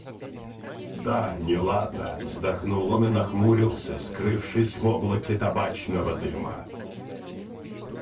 — Да, неладно, — вздохнул он и нахмурился, скрывшись в облаке табачного дыма.